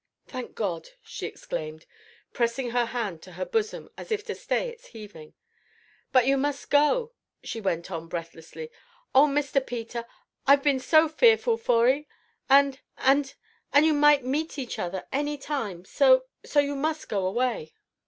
"Thank God!" she exclaimed, pressing her hand to her bosom as if to stay its heaving. "But you must go," she went on breathlessly. "Oh, Mr. Peter! I've been so fearful for 'ee, and and you might meet each other any time, so so you must go away."